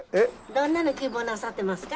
どんなの希望なさってますか？